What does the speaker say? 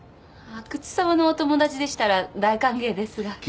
阿久津さまのお友達でしたら大歓迎ですが。